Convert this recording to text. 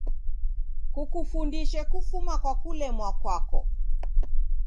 Kukufundishe kufuma kwa kulemwa kwako.